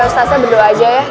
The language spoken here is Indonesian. ustaznya berdoa aja ya